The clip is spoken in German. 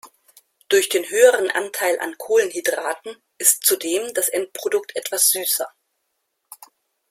Durch den höheren Anteil an Kohlenhydraten ist zudem das Endprodukt etwas süßer.